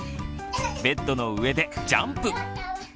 ベッドの上でジャンプ！